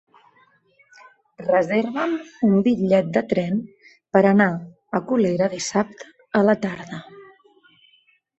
Reserva'm un bitllet de tren per anar a Colera dissabte a la tarda.